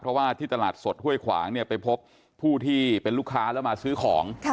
เพราะว่าที่ตลาดสดห้วยขวางเนี่ยไปพบผู้ที่เป็นลูกค้าแล้วมาซื้อของ